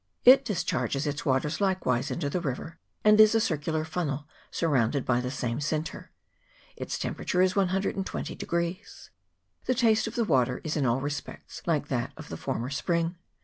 It discharges its waters likewise into the river, and is a circular funnel, surrounded by the same sinter. Its temperature is 120. The taste of the water is in all respects like that of the former spring.